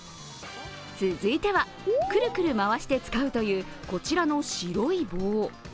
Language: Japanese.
続いては、くるくる回して使うという、こちらの白い棒。